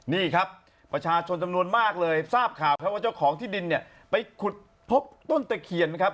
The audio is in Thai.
นี่ครับประชาชนจำนวนมากเลยทราบข่าวครับว่าเจ้าของที่ดินเนี่ยไปขุดพบต้นตะเคียนครับ